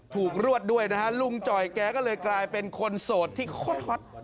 รวดด้วยนะฮะลุงจ่อยแกก็เลยกลายเป็นคนโสดที่โคตรฮอต